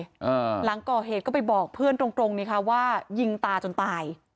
หลังก่อเหตุก็ไปบอกเพื่อนตรงตรงนี่ค่ะว่ายิงตาจนตาย